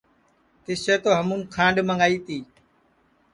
تِسیں تو ہمون کھانٚڈؔ منٚگائی تی